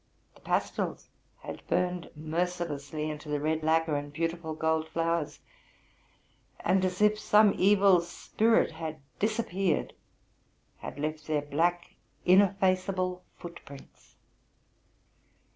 The pastils had burned mercilessly into the red lacquer and beautiful gold flowers, and, as if some evil spirit had disappeared, had left their black, ineffaceable footprints.